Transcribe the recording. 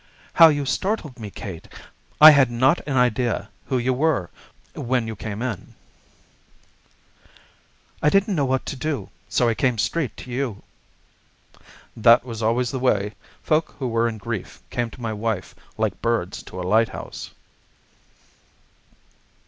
How you startled me, Kate! I had not an idea who you were when you came in." "I didn't know what to do, so I came straight to you." That was always the way. Folk who were in grief came to my wife like birds to a lighthouse.